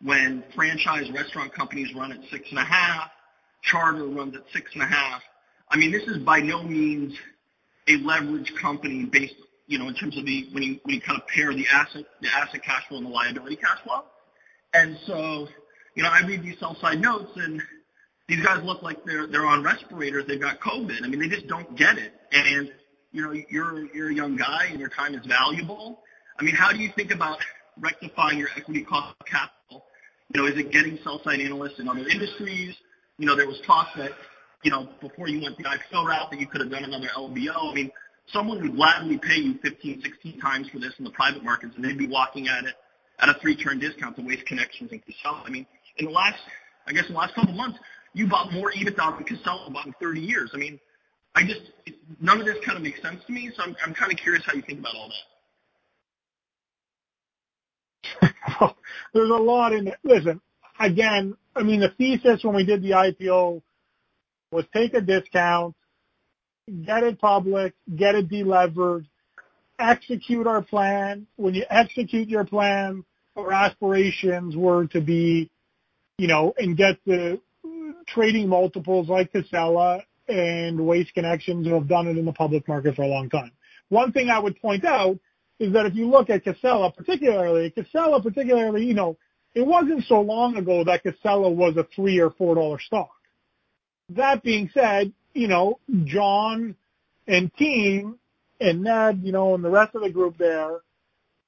when franchise restaurant companies run at 6.5, Charter runs at 6.5. This is by no means a leverage company in terms of when you pair the asset cash flow and the liability cash flow. I read these sell-side notes, and these guys look like they're on respirators, they've got COVID. They just don't get it. You're a young guy, and your time is valuable. How do you think about rectifying your equity cost of capital? Is it getting sell-side analysts in other industries? There was talk that before you went the IPO route that you could have done another LBO. Someone would gladly pay you 15, 16 times for this in the private markets, and they'd be walking at a three-turn discount to Waste Connections and Casella. In the last, I guess, the last 12 months, you bought more EBITDA than Casella bought in 30 years. None of this makes sense to me. I'm curious how you think about all that. There's a lot in there. Listen, again, the thesis when we did the IPO was take a discount, get it public, get it de-levered, execute our plan. When you execute your plan, our aspirations were to be and get the trading multiples like Casella and Waste Connections, who have done it in the public market for a long time. One thing I would point out is that if you look at Casella particularly, it wasn't so long ago that Casella was a 3 or 4 dollar stock. That being said, John and team and Ned, and the rest of the group there,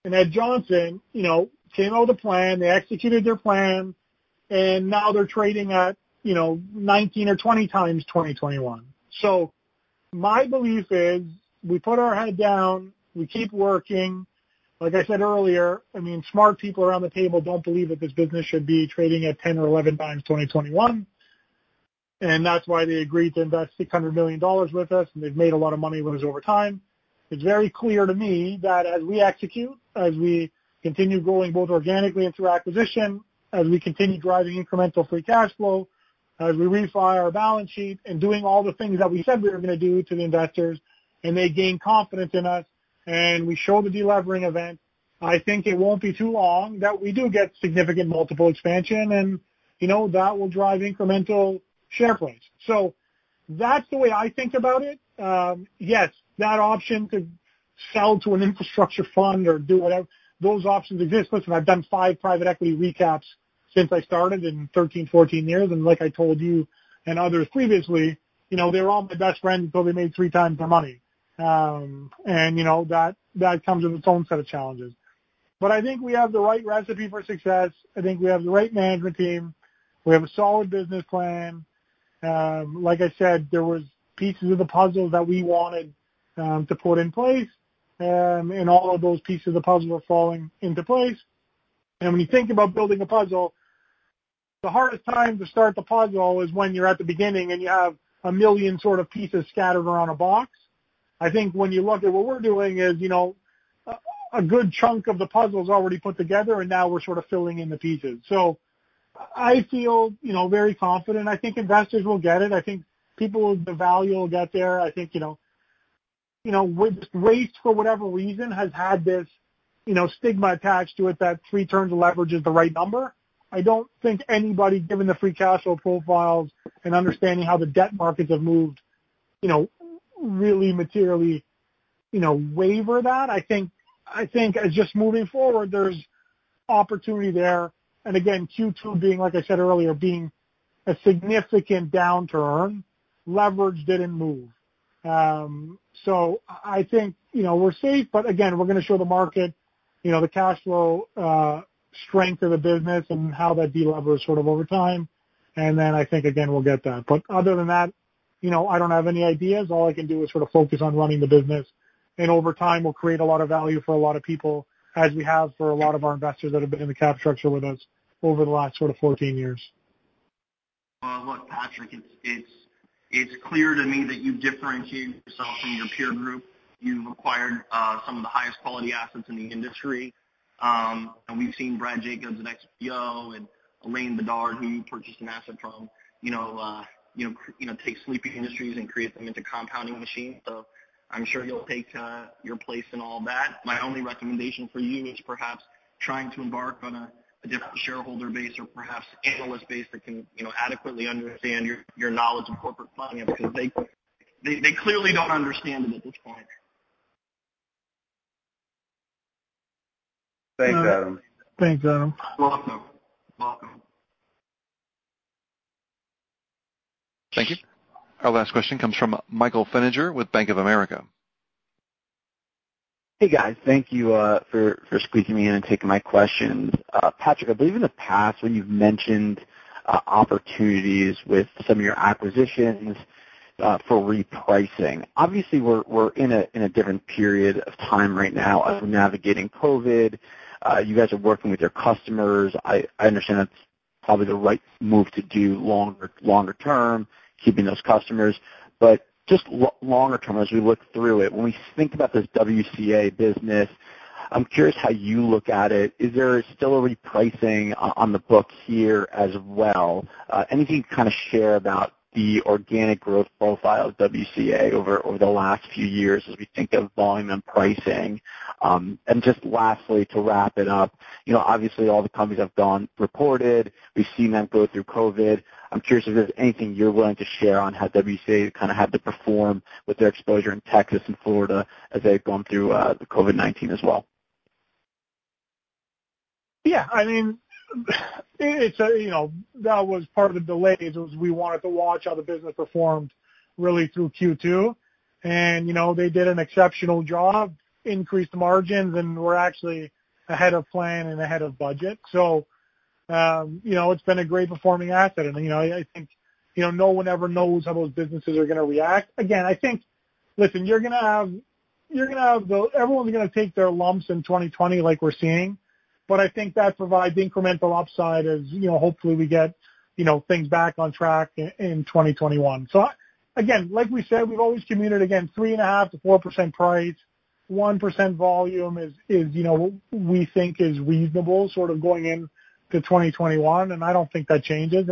and Ed Johnson came out with a plan. Now they're trading at 19 or 20 times 2021. My belief is we put our head down, we keep working. Like I said earlier, smart people around the table don't believe that this business should be trading at 10 or 11 times 2021. That's why they agreed to invest 600 million dollars with us, and they've made a lot of money with us over time. It's very clear to me that as we execute, as we continue growing both organically and through acquisition, as we continue driving incremental free cash flow, as we refi our balance sheet and doing all the things that we said we were going to do to the investors, they gain confidence in us, we show the de-levering event. I think it won't be too long that we do get significant multiple expansion, and that will drive incremental share price. That's the way I think about it. Yes, that option could sell to an infrastructure fund or do whatever. Those options exist. Listen, I've done five private equity recaps since I started in 13, 14 years. Like I told you and others previously, they were all my best friends until they made 3x their money. That comes with its own set of challenges. I think we have the right recipe for success. I think we have the right management team. We have a solid business plan. Like I said, there was pieces of the puzzle that we wanted to put in place, and all of those pieces of the puzzle are falling into place. When you think about building a puzzle, the hardest time to start the puzzle is when you're at the beginning and you have a million pieces scattered around a box. I think when you look at what we're doing is a good chunk of the puzzle is already put together, and now we're sort of filling in the pieces. I feel very confident. I think investors will get it. I think people with the value will get there. I think waste, for whatever reason, has had this stigma attached to it that three turns of leverage is the right number. I don't think anybody, given the free cash flow profiles and understanding how the debt markets have moved really materially waiver that. I think as just moving forward, there's opportunity there. Again, Q2 being, like I said earlier, being a significant downturn, leverage didn't move. I think we're safe. Again, we're going to show the market the cash flow strength of the business and how that de-levers over time. I think again, we'll get that. Other than that, I don't have any ideas. All I can do is focus on running the business. Over time, we'll create a lot of value for a lot of people, as we have for a lot of our investors that have been in the cap structure with us over the last 14 years. Patrick, it's clear to me that you differentiate yourself from your peer group. You've acquired some of the highest quality assets in the industry. We've seen Brad Jacobs at XPO and Alain Bédard, who you purchased an asset from take sleeping industries and create them into compounding machines. I'm sure you'll take your place in all that. My only recommendation for you is perhaps trying to embark on a different shareholder base or perhaps analyst base that can adequately understand your knowledge of corporate finance because they clearly don't understand them at this point. Thanks, Adam. Thanks, Adam. Welcome. Thank you. Our last question comes from Michael Feniger with Bank of America. Hey, guys. Thank you for squeezing me in and taking my questions. Patrick, I believe in the past when you've mentioned opportunities with some of your acquisitions for repricing. Obviously, we're in a different period of time right now as we're navigating COVID. You guys are working with your customers. I understand that's probably the right move to do longer term, keeping those customers. Just longer term, as we look through it, when we think about this WCA business, I'm curious how you look at it. Is there still a repricing on the books here as well? Anything you can kind of share about the organic growth profile of WCA over the last few years as we think of volume and pricing? Just lastly, to wrap it up, obviously all the companies have gone reported. We've seen them go through COVID. I'm curious if there's anything you're willing to share on how WCA kind of had to perform with their exposure in Texas and Florida as they've gone through the COVID-19 as well? Yeah. That was part of the delays, was we wanted to watch how the business performed really through Q2. They did an exceptional job, increased margins, and we're actually ahead of plan and ahead of budget. It's been a great performing asset. I think no one ever knows how those businesses are going to react. Again, I think, listen, everyone's going to take their lumps in 2020 like we're seeing. I think that provides incremental upside as hopefully we get things back on track in 2021. Again, like we said, we've always communicated, again, 3.5%-4% price. 1% volume is we think is reasonable sort of going into 2021. I don't think that changes.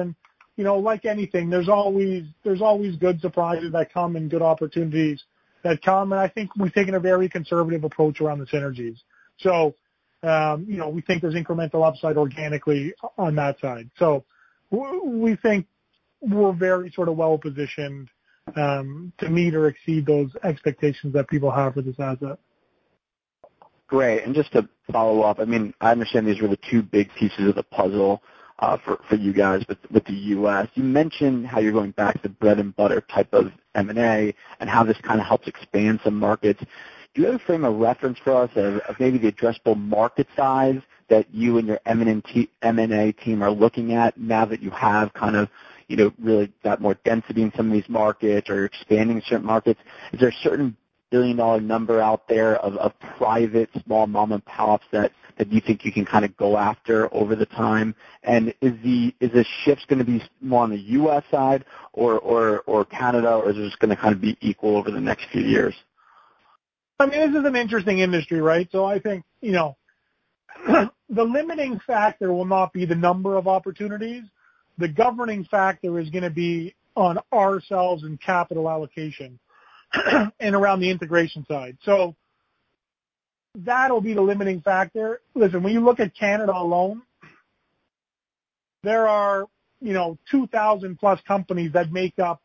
Like anything, there's always good surprises that come and good opportunities that come. I think we've taken a very conservative approach around the synergies. We think there's incremental upside organically on that side. We think we're very sort of well-positioned to meet or exceed those expectations that people have for this asset. Great. Just to follow up, I understand these were the two big pieces of the puzzle for you guys with the U.S. You mentioned how you're going back to bread-and-butter type of M&A and how this kind of helps expand some markets. Do you have a frame of reference for us of maybe the addressable market size that you and your M&A team are looking at now that you have kind of really got more density in some of these markets or you're expanding certain markets? Is there a certain billion-dollar number out there of private small mom and pops that you think you can kind of go after over the time? Is the shift going to be more on the U.S. side or Canada, or is this going to kind of be equal over the next few years? This is an interesting industry, right? I think the limiting factor will not be the number of opportunities. The governing factor is going to be on ourselves and capital allocation and around the integration side. That'll be the limiting factor. Listen, when you look at Canada alone, there are 2,000+ companies that make up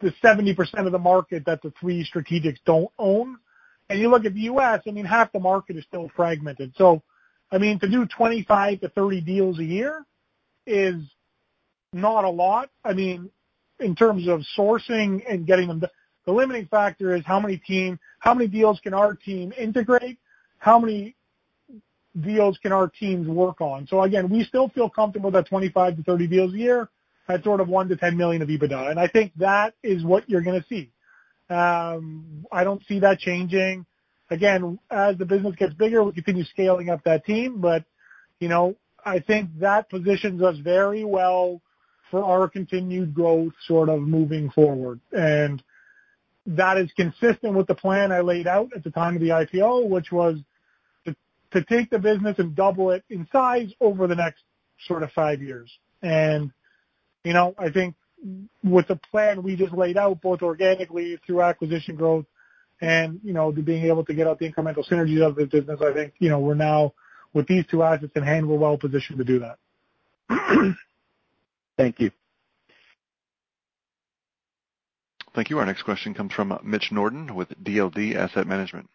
the 70% of the market that the three strategics don't own. You look at the U.S., half the market is still fragmented. To do 25-30 deals a year is not a lot in terms of sourcing and getting them done. The limiting factor is how many deals can our team integrate? How many deals can our teams work on? Again, we still feel comfortable that 25-30 deals a year at sort of 1 million-10 million of EBITDA. I think that is what you're going to see. I don't see that changing. As the business gets bigger, we continue scaling up that team. I think that positions us very well for our continued growth sort of moving forward. That is consistent with the plan I laid out at the time of the IPO, which was to take the business and double it in size over the next sort of five years. I think with the plan we just laid out, both organically through acquisition growth and the being able to get out the incremental synergies of the business, I think we're now with these two assets in hand, we're well positioned to do that. Thank you. Thank you. Our next question comes from Mitch Norden with DOD Asset Management.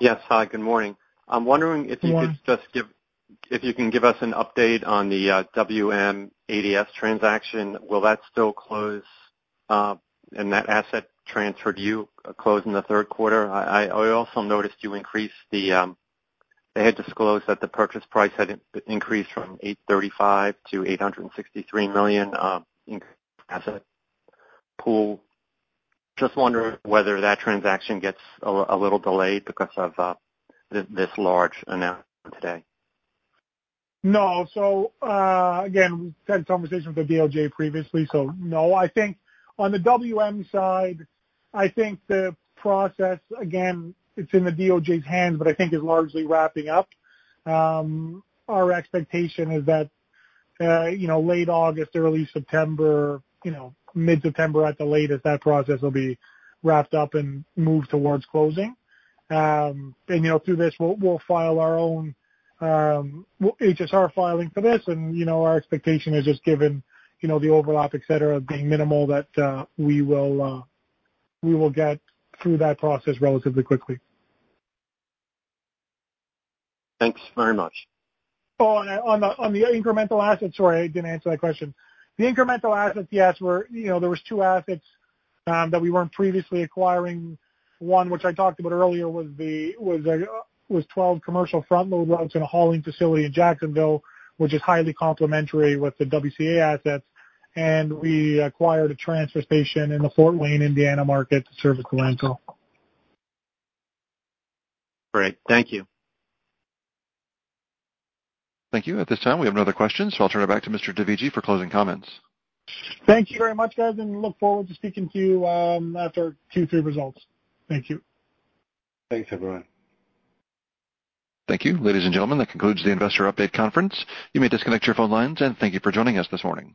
Yes. Hi, good morning. I'm wondering. Good morning. You can give us an update on the WM ADS transaction. Will that still close and that asset transfer to you close in the third quarter? I also noticed they had disclosed that the purchase price had increased from 835 million-863 million, increased asset pool. I am just wondering whether that transaction gets a little delayed because of this large announcement today? No. Again, we've had conversations with the DOJ previously. No. On the WM side, I think the process, again, it's in the DOJ's hands, I think is largely wrapping up. Our expectation is that late August, early September, mid-September at the latest, that process will be wrapped up and moved towards closing. Through this, we'll file our own HSR filing for this. Our expectation is just given the overlap, et cetera, being minimal, that we will get through that process relatively quickly. Thanks very much. Oh, on the incremental assets, sorry, I didn't answer that question. The incremental assets, yes, there was two assets that we weren't previously acquiring. One which I talked about earlier was 12 commercial front load routes and a hauling facility in Jacksonville, which is highly complementary with the WCA assets. We acquired a transfer station in the Fort Wayne, Indiana market to service the rental. Great. Thank you. Thank you. At this time, we have no other questions, so I'll turn it back to Mr. Dovigi for closing comments. Thank you very much, guys, and look forward to speaking to you after our Q3 results. Thank you. Thanks, everyone. Thank you. Ladies and gentlemen, that concludes the investor update conference. You may disconnect your phone lines, and thank you for joining us this morning.